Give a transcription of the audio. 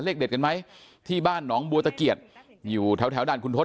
เลขเด็ดกันไหมที่บ้านหนองบัวตะเกียจอยู่แถวด่านคุณทศ